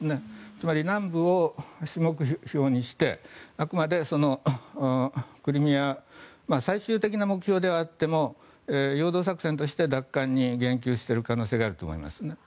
つまり、南部を主目標にしてあくまでクリミア最終的な目標であっても陽動作戦として奪還に言及している可能性があると思います。